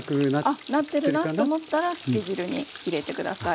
あっなってるなと思ったらつけ汁に入れて下さい。